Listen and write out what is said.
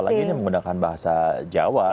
apalagi ini menggunakan bahasa jawa